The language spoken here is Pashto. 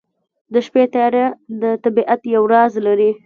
د شپې تیاره د طبیعت یو راز لري.